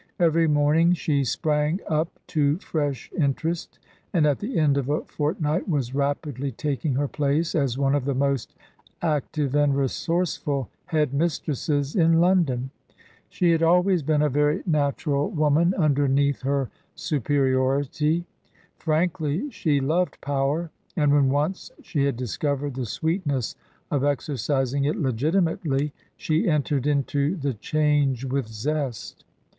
Every morning she sprang up to fresh interest, and at the end of a fortnight was rapidly taking her place as one of the most active and resourceful Head mistresses in London. She had always been a very natural woman 94 TRANSITION. underneath her " superiority ;'* frankly, she loved power, and when once she had discovered the sweetness of ex ercising it legitimately, she entered into the change with zest.